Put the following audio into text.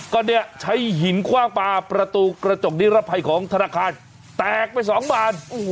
ก็เนี่ยใช้หินคว่างปลาประตูกระจกนิรภัยของธนาคารแตกไป๒บาน